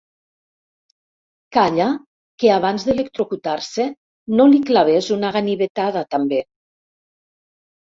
Calla que abans d'electrocutar-se no li clavés una ganivetada, també!